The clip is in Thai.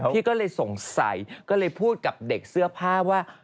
ที่ก็เลยสงสัยก็เลยพูดกับเด็กเสื้อผ้าว่า